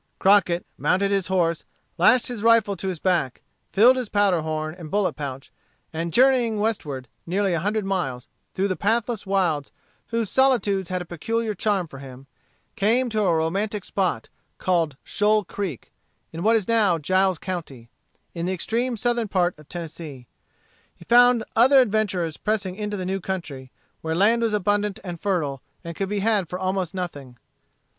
Crockett mounted his horse, lashed his rifle to his back, filled his powder horn and bullet pouch, and journeying westward nearly a hundred miles, through pathless wilds whose solitudes had a peculiar charm for him, came to a romantic spot, called Shoal Creek, in what is now Giles County, in the extreme southern part of Tennessee. He found other adventurers pressing into the new country, where land was abundant and fertile, and could be had almost for nothing.